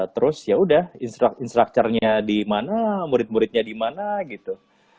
terus ya udah instructornya dimana murid muridnya dimana gitu